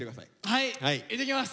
はいいってきます！